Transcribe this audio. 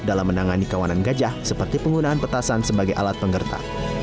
dalam menangani kawanan gajah seperti penggunaan petasan sebagai alat penggerta